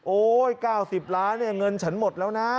โอ๊ย๙๐ล้านเงินฉันหมดแล้วนะ